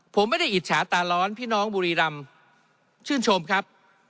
ผมไม่ได้อิจฉาตาร้อนพี่น้องบุรีรำชื่นชมครับ